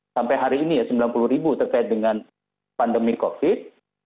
sampai hari ini ya sembilan puluh ribu terkait dengan pandemi covid